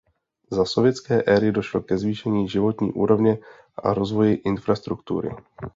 Za sovětské éry došlo ke zvýšení životní úrovně a rozvoji infrastruktury.